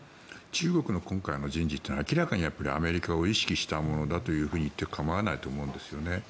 中国の今回の人事というのは明らかにアメリカを意識したものだと言って構わないと思うんですね。